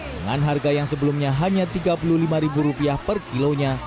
dengan harga yang sebelumnya hanya tiga puluh lima ribu rupiah per kilonya